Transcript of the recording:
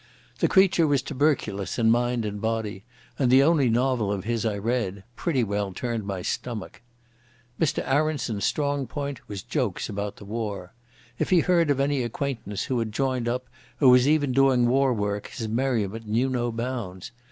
The creature was tuberculous in mind and body, and the only novel of his I read, pretty well turned my stomach. Mr Aronson's strong point was jokes about the war. If he heard of any acquaintance who had joined up or was even doing war work his merriment knew no bounds.